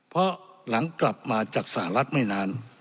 เพราะหลังกลับมาจากสหรัฐไม่นาน